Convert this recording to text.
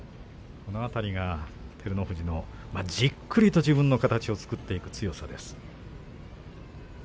この辺りが、照ノ富士のじっくりと自分の形を作っていく強さです。